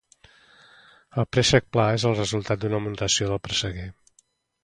El préssec pla és el resultat d'una mutació del presseguer